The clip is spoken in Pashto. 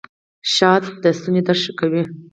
شات د ستوني درد ښه کوي